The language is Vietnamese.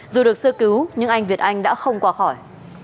dù được sơ cứu nhưng anh việt anh đã không qua khỏi